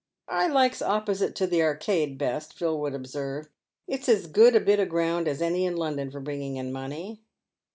" I likes opposite to the Arcade best," Phil would observe, "it's as good a bit o' ground as any in London for bringing in money."